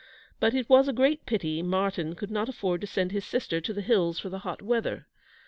But it was a great pity Martyn could not afford to send his sister to the Hills for the hot weather.